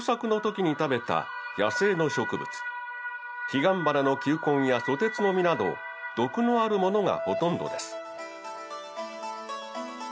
ヒガンバナの球根やソテツの実など毒のあるものがほとんどです。